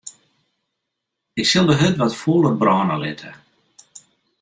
Ik sil de hurd wat fûler brâne litte.